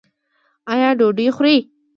ایا ډوډۍ خورئ؟